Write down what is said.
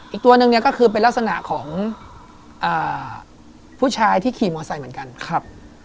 อีกตัวหนึ่งเนี่ยก็คือเป็นลักษณะของอ่าผู้ชายที่ขี่มอไซค์เหมือนกันครับ